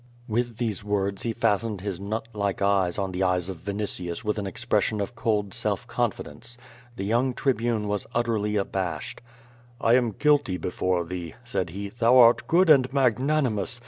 " With these words he fastened his nut like eyes on the eyes of Vinitius with an expression of cold self confidence. The young Tribune was utterly abashed. "I am guilty before thee," said he. "Thou art good and magnanimous.